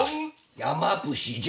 山伏じゃ。